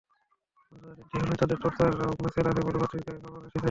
অন্তত তিনটি হলে তাদের টর্চার সেল আছে বলে পত্রিকায় খবর এসেছে।